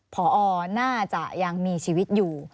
พอน่าจะยังมีชีวิตอยู่